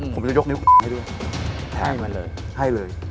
ผมจะยกนิ้วให้ด้วยให้เลย